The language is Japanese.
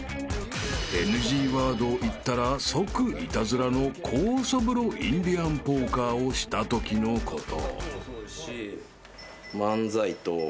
［ＮＧワードを言ったら即イタズラの酵素風呂インディアンポーカーをしたときのこと］